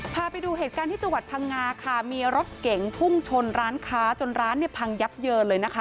พาไปดูเหตุการณ์ที่จังหวัดพังงาค่ะมีรถเก๋งพุ่งชนร้านค้าจนร้านเนี่ยพังยับเยินเลยนะคะ